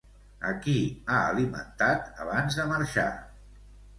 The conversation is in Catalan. A qui ha alimentat abans de marxar?